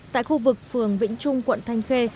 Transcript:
tại khu vực phường vĩnh trung quận thanh khê